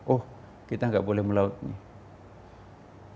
oh kita nggak boleh melaut nih